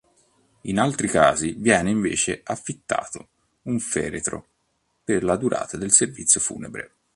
In altri casi viene invece affittato un feretro per la durata del servizio funebre.